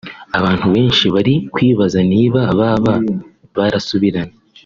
Abantu benshi bari kwibaza niba baba barasubiranye